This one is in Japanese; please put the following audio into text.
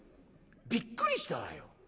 びっくりしたわよ。